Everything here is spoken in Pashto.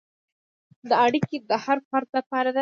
دا اړیکه د هر فرد لپاره ده.